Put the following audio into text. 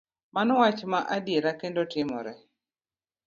Mano wach ma adiera kendo timore.